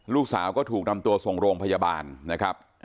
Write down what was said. ลูกสาวก็ถูกนำตัวส่งโรงพยาบาลนะครับ